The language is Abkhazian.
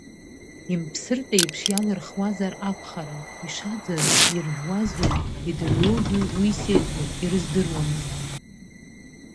Имԥсыртә еиԥш иалырхуазар акәхарын, ишаӡаз иржәуазу идырҩозу уи сеидроу, ирыздырамызт…